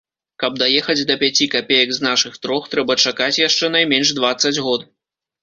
Каб даехаць да пяці капеек з нашых трох, трэба чакаць яшчэ найменш дваццаць год.